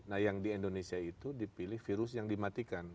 nah yang di indonesia itu dipilih virus yang dimatikan